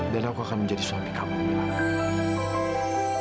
dan aku akan menjadi suami kamu mila